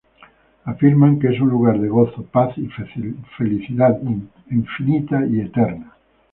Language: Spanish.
Afirman que es un lugar de gozo, paz y felicidad infinita y eterna.